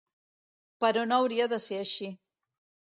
Però no hauria de ser així.